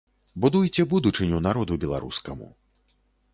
Будуйце будучыню народу беларускаму.